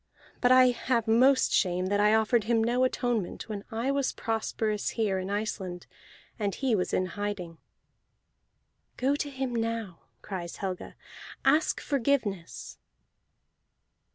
But I have most shame that I offered him no atonement when I was prosperous here in Iceland, and he was in hiding." "Go to him now," cries Helga. "Ask forgiveness!"